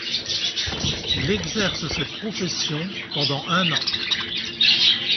Il exerce cette profession pendant un an.